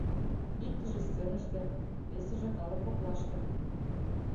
Иктыже — сценыште, весыже — калык коклаште.